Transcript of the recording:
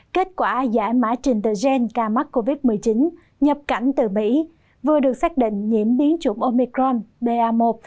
kết quả giải mã trình tờ gen ca mắc covid một mươi chín nhập cảnh từ mỹ vừa được xác định nhiễm biến chủng omicron ba